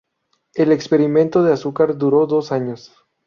El experimento de azúcar duró dos años.